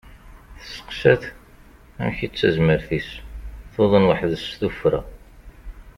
Testeqsa-t amek i d tazmert-is, tuḍen weḥdes s tuffra.